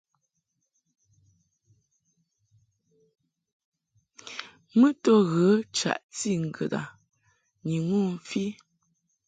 Mɨ to ghə chaʼti ŋgəd a ni ŋu mfi.